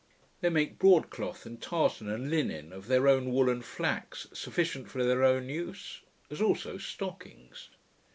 They make broad cloth, and tartan, and linen, of their own wool and flax, sufficient for their own use; as also stockings.